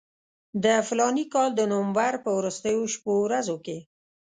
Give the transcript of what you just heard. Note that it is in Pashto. د فلاني کال د نومبر په وروستیو شپو ورځو کې.